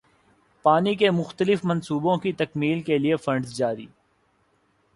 پانی کے مختلف منصوبوں کی تکمیل کیلئے فنڈز جاری